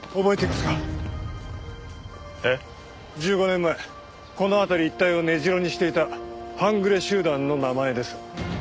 １５年前この辺り一帯を根城にしていた半グレ集団の名前です。